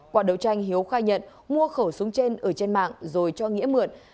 qua đấu tranh hiếu khai nhận mua khẩu súng trên ở trên mạng rồi cho nghĩa mượn